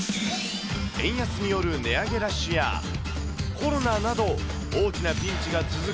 円安による値上げラッシュや、コロナなど、大きなピンチが続く